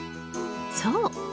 そう！